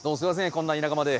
こんな田舎まで。